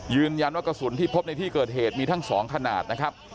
กระสุนที่พบในที่เกิดเหตุมีทั้ง๒ขนาดนะครับ